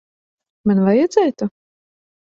Man vajadzētu?